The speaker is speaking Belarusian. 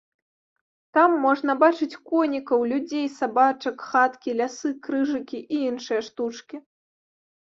Там можна бачыць конікаў, людзей, сабачак, хаткі, лясы, крыжыкі і іншыя штучкі.